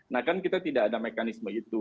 nah kan kita tidak ada mekanisme itu